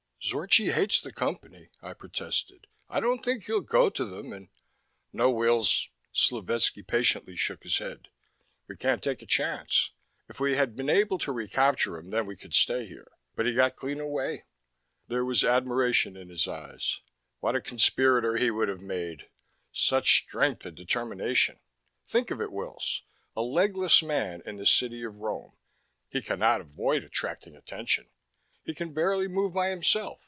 "Zorchi hates the Company," I protested. "I don't think he'll go to them and " "No, Wills." Slovetski patiently shook his head. "We can't take a chance. If we had been able to recapture him, then we could stay here. But he got clean away." There was admiration in his eyes. "What a conspirator he would have made! Such strength and determination! Think of it, Wills, a legless man in the city of Rome. He cannot avoid attracting attention. He can barely move by himself.